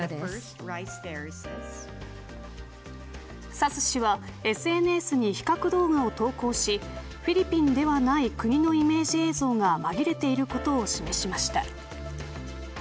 サス氏はＳＮＳに比較動画を投稿しフィリピンではない国のイメージ映像が紛れていることを示しました。